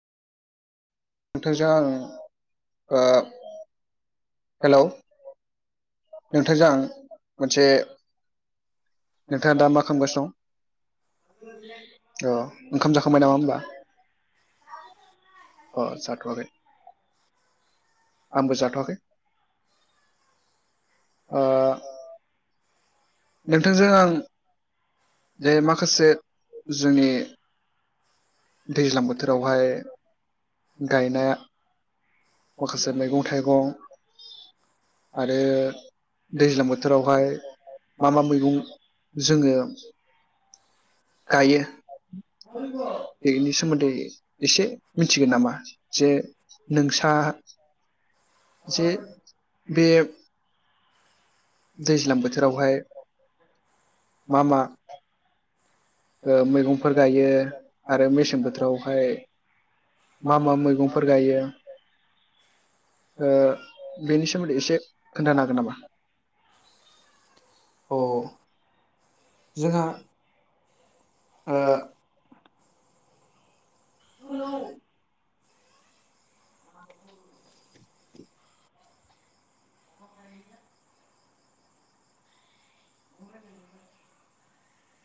नोंथांजों आं आं हेलौ नोंथांजों आं मोनसे नोंथाङा दा मा खालामगासिनो दं ओंखाम जाखांबाय नामा होमब्ला अ सात थयाखै। आंबो जाथ'याखै नोंथांजों आं जे माखासे जोंनि दैज्लां बोथोरावहाय गायनाया माखासे मैगं थाइगं आरो दैज्लां बोथोरावहाय। मा मा मैगं जोङो गायो बेनि सोमोन्दै एसे मिथिगोन नामा जे नोंसा जे बे दैज्लां बोथोरावहाय मा मा। मैगंफोर गायो आरो मेसें बोथोरावहाय मा मा मैगंफोर गायो ओ बेनि सोमोन्दै एसे खोन्थानो हागोन नामा। औ जोंहा ओ हेलौ [inaudible] [inaudible]